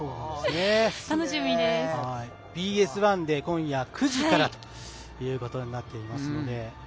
ＢＳ１で今夜９時からということになっていますので。